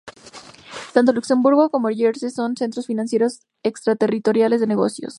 Tanto Luxemburgo como Jersey son centros financieros extraterritoriales de negocios.